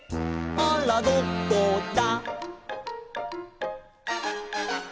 「あらどこだ」